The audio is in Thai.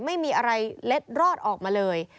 ไม่มีอะไรเล็ดรอดออกมาเลย